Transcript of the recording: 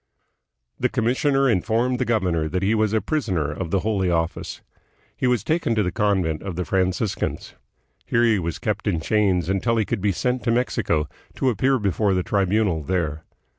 The commissioner informed the governor that he was a prisoner of the Holy Office. He was taken to the convent of the Franciscans. Here he was kept in chains until he could be sent to Mexico, to appear before the Tribunal there.